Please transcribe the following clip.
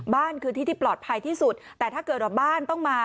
บ้านคือที่ที่ปลอดภัยที่สุดแต่ถ้าเกิดว่าบ้านต้องมา